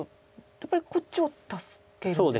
やっぱりこっちを助けるんですか？